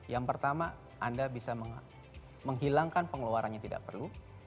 yang pertama anda bisa menghilangkan pengeluaran yang tidak perlu